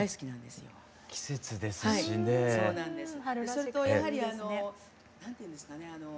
それとやはりあの何ていうんですかね